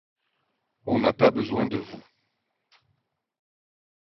On n'a pas besoin de vous.